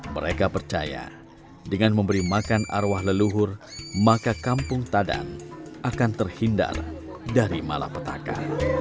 mereka percaya dengan memberi makan arwah leluhur maka kampung tadan akan terhindar dari malapetaka